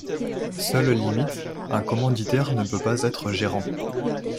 Seule limite, un commanditaire ne peut pas être gérant.